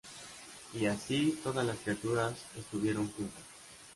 Y así, todas las criaturas estuvieron juntas.